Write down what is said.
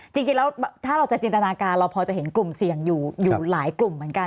จริงแล้วถ้าเราจะจินตนาการเราพอจะเห็นกลุ่มเสี่ยงอยู่หลายกลุ่มเหมือนกัน